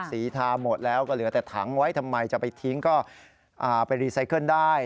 สีทาหมดแล้วก็เหลือแต่ถังไว้ทำไมจะไปทิ้งก็ไปรีไซเคิลได้